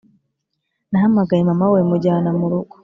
nahamagaye mama we mujyana murugo